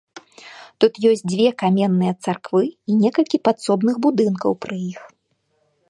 Тут ёсць дзве каменныя царквы і некалькі падсобных будынкаў пры іх.